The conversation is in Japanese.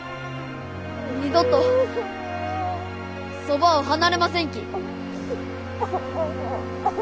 二度とそばを離れませんき。